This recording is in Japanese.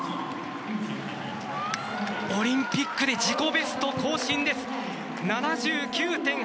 オリンピックで自己ベスト更新です！